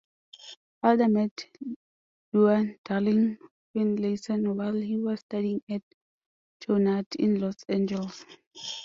Elder met Luann Darling Finlayson while he was studying at Chouinard in Los Angeles.